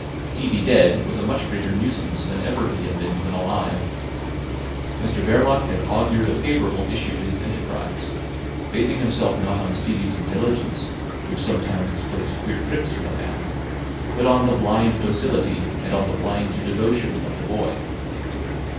Stevie dead was a much greater nuisance than ever he had been when alive. Mr Verloc had augured a favourable issue to his enterprise, basing himself not on Stevie's intelligence, which sometimes plays queer tricks with a man, but on the blind docility and on the blind devotion of the boy.